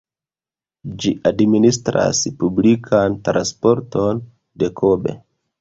Ĝi administras publikan transporton de Kobe.